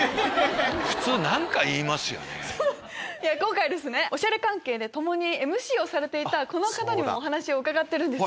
今回『おしゃれカンケイ』で共にＭＣをされていたこの方にもお話を伺ってるんです